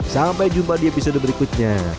sampai jumpa di episode berikutnya